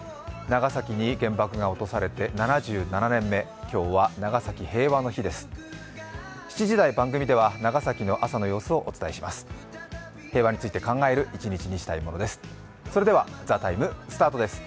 長崎に原爆が落とされて７７年目、今日は長崎平和の日です。